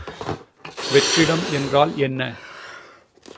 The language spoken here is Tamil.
வெற்றிடம் என்றால் என்ன?